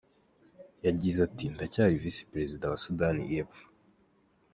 Yagize ati “ Ndacyari Visi Perezida wa Sudani y’Epfo.